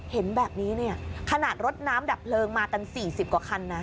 เห็นแบบนี้เนี่ยขนาดรถน้ำดับเพลิงมากัน๔๐กว่าคันนะ